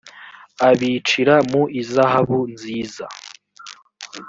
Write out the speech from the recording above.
abicira mu izahabu nziza